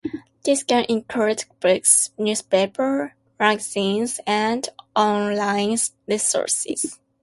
This can include books, newspapers, magazines, and online resources.